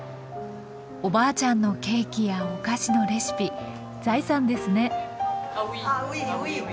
おばあちゃんのケーキやお菓子のレシピ財産ですね。